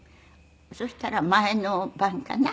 そしたら前の晩かな。